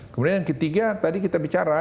kemudian yang ketiga tadi kita bicara